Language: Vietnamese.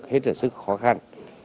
đó là một cái sự khó khăn